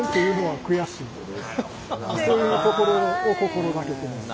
そういうところを心がけています。